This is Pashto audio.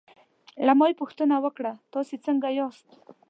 له ما یې پوښتنه وکړل: تاسې څنګه یاست؟